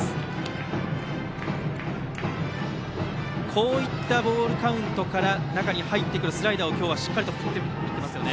こういったボールカウントからスライダーを今日はしっかり振っていっていますね。